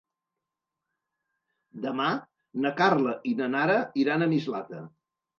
Demà na Carla i na Nara iran a Mislata.